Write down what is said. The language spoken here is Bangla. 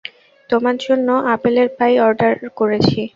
তোমার জন্য আপেলের পাই অর্ডার করেছি।